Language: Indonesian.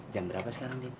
jam berapa sekarang din